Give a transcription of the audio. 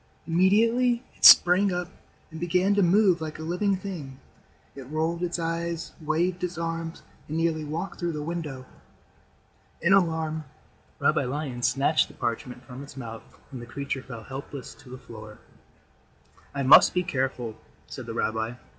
Immediately it sprang up and began to move like a living thing. It rolled its eyes, waved its arms, and nearly walked through the window. In alarm, Rabbi Lion snatched the parchment from its mouth and the creature fell helpless to the floor. "I must be careful," said the rabbi.